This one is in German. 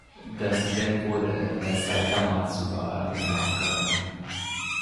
Das Event wurde in der Saitama Super Arena abgehalten.